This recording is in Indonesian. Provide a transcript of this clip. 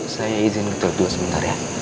saya izin betul betul sebentar ya